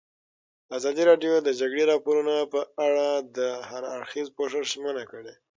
ازادي راډیو د د جګړې راپورونه په اړه د هر اړخیز پوښښ ژمنه کړې.